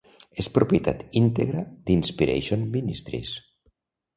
És propietat íntegra d'Inspiration Ministries.